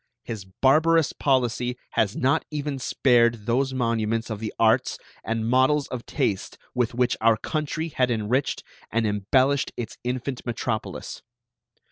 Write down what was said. His barbarous policy has not even spared those monuments of the arts and models of taste with which our country had enriched and embellished its infant metropolis.